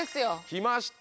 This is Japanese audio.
きました。